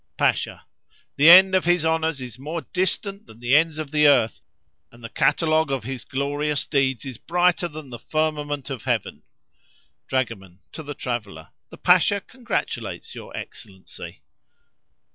Pasha.—The end of his honours is more distant than the ends of the earth, and the catalogue of his glorious deeds is brighter than the firmament of heaven! Dragoman (to the traveller).—The Pasha congratulates your Excellency.